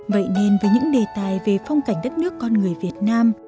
vậy nên với những đề tài về phong cảnh đất nước con người việt nam